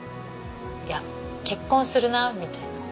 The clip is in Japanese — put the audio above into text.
「いや結婚するな」みたいな。